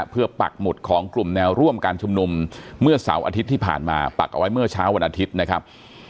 เพื่อปักหมุดของกลุ่มแนวร่วมการชุมนุมเมื่อเสาร์อาทิตย์ที่ผ่านมาปักเอาไว้เมื่อเช้าวันอาทิตย์นะครับ